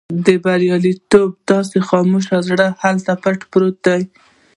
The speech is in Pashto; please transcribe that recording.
د برياليتوبونو داسې خاموش زړي هلته پټ پراته دي.